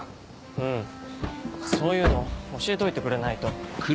うんそういうの教えといてくれないと。